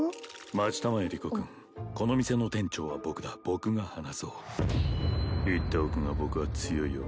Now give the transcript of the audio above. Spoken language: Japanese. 待ちたまえリコ君この店の店長は僕だ僕が話そう言っておくが僕は強いよ？